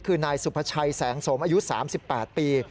คือนายสุภาชัยแสงสมอายุ๓๘ปี